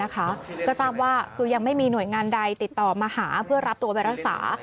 ก็ทราบว่าคือยังไม่มีหน่วยงานใดติดต่อมาหาเพื่อรับตัวไปรักษา